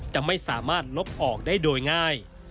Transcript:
จะไม่สามารถลบออกได้โดยง่าย